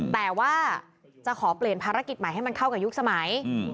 แต่ว่าจะขอเปลี่ยนภารกิจใหม่ให้มันเข้ากับยุคสมัย